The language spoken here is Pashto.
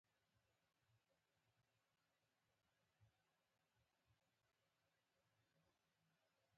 دوی وايي دا زموږ ملي ویاړ دی.